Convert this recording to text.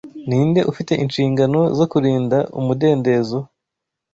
Ninde ufite inshingano zo kurinda umudendezo